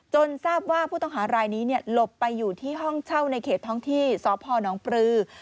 ทราบว่าผู้ต้องหารายนี้หลบไปอยู่ที่ห้องเช่าในเขตท้องที่สพนปลือ